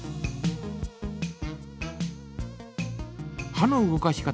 歯の動かし方。